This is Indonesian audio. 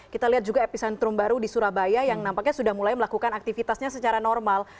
kita lihat juga epicentrum baru di surabaya yang nampaknya sudah mulai melakukan aktivitasnya secara normal